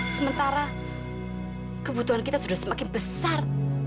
sementara kebutuhan kita sudah semakin besar